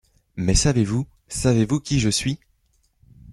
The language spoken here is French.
Mais savez-vous... savez-vous qui je suis?